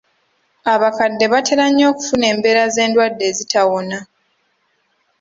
Abakadde batera nnyo okufuna embeera z'endwadde ezitawona.